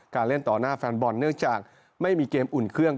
เล่นต่อหน้าแฟนบอลเนื่องจากไม่มีเกมอุ่นเครื่อง